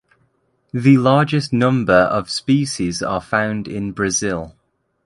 The largest number of species are found in Brazil.